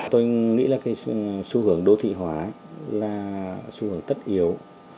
tôi nghĩ là cái xu hướng đô thị hóa là xu hướng tất yếu